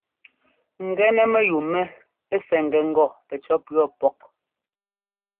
Gɛnɛ mɛyúu mɛ sɛ́ ŋ́gɛ ŋgɔ pɛcɔ̌ pʉɔ pɔ́k.